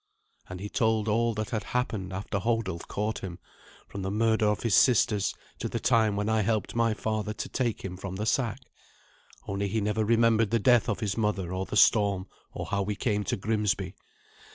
And he told all that had happened after Hodulf caught him, from the murder of his sisters to the time when I helped my father to take him from the sack. Only he never remembered the death of his mother or the storm, or how we came to Grimsby.